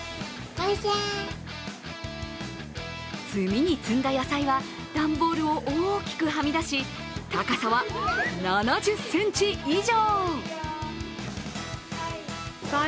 積みに積んだ野菜は、段ボールを大きくはみ出し、高さは７０ｃｍ以上。